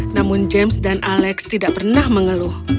namun james dan alex tidak pernah mengeluh